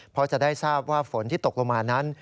เพราะจะได้ทราบว่าฝนที่ตกลงมานั้น